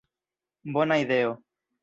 Bona ideo!